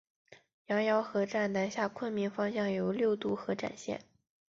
羊臼河站南下昆明方向有六渡河展线。